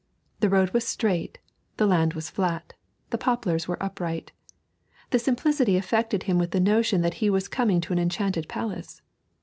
The road was straight, the land was flat, the poplars were upright. The simplicity affected him with the notion that he was coming to an enchanted palace.